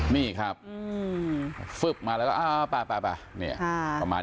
นี่ครับฟึบมาแล้วก็อ้าวไปเนี่ยประมาณ